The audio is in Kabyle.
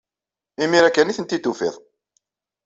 Imir-a kan ay tent-id-tufid.